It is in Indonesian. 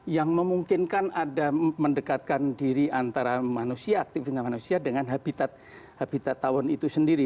yang memungkinkan ada mendekatkan diri antara manusia aktivitas manusia dengan habitat habitat tawon itu sendiri